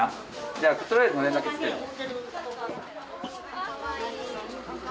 じゃあとりあえずのれんだけつけよう。